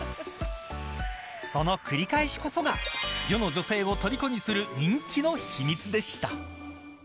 その繰り返しこそが世の女性を虜にする人気の秘密でした。